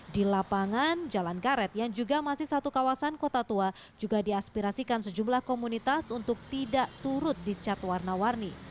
di lapangan jalan karet yang juga masih satu kawasan kota tua juga diaspirasikan sejumlah komunitas untuk tidak turut dicat warna warni